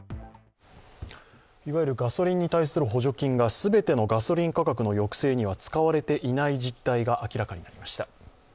いわゆるガソリンに対する補助金が全てのガソリン価格の抑制には使われていない実態が明らかになりました。